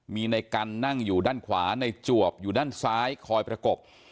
มีในกันนั่งอยู่ด้านขวาในจวบอยู่ด้านซ้ายคอยประกบ